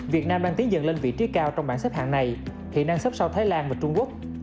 việt nam đang tiến dần lên vị trí cao trong bảng xếp hạng này hiện đang sắp sau thái lan và trung quốc